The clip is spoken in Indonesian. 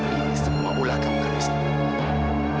ini semua ulah kamu kan wisnu